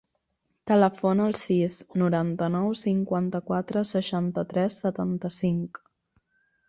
Telefona al sis, noranta-nou, cinquanta-quatre, seixanta-tres, setanta-cinc.